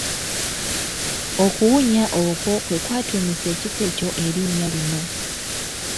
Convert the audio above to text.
Okuwunya okwo kwe kwatuumisa ekifo ekyo erinnya lino.